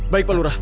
baik pak lurah